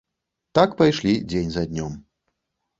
Так пайшлі дзень за днём.